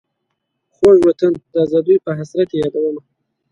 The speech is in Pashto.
خوږ وطن د آزادیو په حسرت دي یادومه.